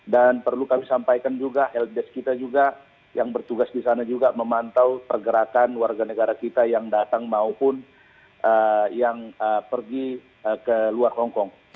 dan perlu kami sampaikan juga lds kita juga yang bertugas di sana juga memantau pergerakan warga negara kita yang datang maupun yang pergi ke luar hongkong